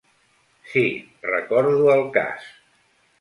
Sí, recordo el cas.